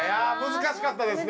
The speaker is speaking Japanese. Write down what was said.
難しかったですね。